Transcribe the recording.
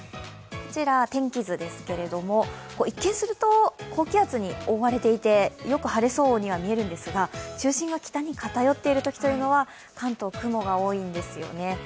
こちら天気図ですけれども一見すると高気圧に覆われていてよく晴れそうには見えるんですが中心が北に偏っているときというのは、関東、雲が多いんですよね。